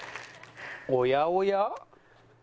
おやおや？